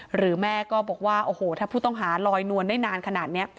หรือแม่ก็บอกว่าโอ้โหถ้าผู้ต้องหาลอยนวลได้นานขนาดนี้